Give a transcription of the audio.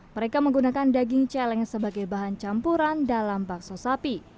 mereka menggunakan daging celeng sebagai bahan campuran dalam bakso sapi